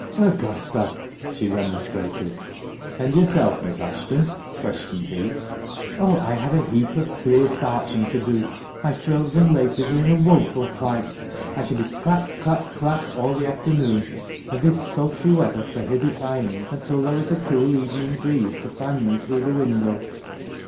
"Augusta!" she remonstrated. " And yourself, Miss Ashton ?" questioned he. "Oh, I have a heap of clear starching to do. My frills and laces are in a woeful plight. I shall be clap, clap, clap, all the afternoon, and this sultry weather prohibits ironing until there is a cool evening breeze to fan me through the window.